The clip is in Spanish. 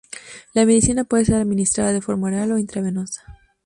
La medicina puede ser administrada de forma oral o intravenosa.